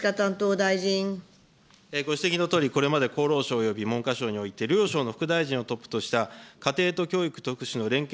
ご指摘のとおり、これまで厚労省および文科省において、両省の副大臣をトップとした家庭と教育と福祉の連携